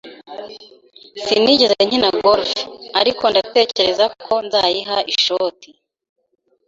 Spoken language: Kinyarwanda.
Sinigeze nkina golf, ariko ndatekereza ko nzayiha ishoti